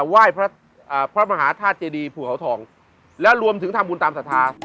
ไหว้พระมหาธาตุเจดีภูเขาทองและรวมถึงทำบุญตามศรัทธา